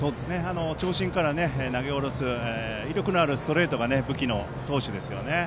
長身から投げ下ろす威力のあるストレートが武器の投手ですよね。